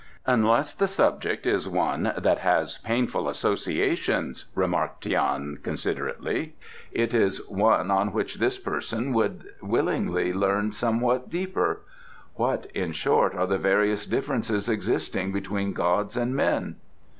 "Unless the subject is one that has painful associations," remarked Tian considerately, "it is one on which this person would willingly learn somewhat deeper. What, in short, are the various differences existing between gods and men?"